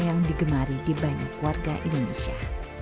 yang digemari di banyak warga indonesia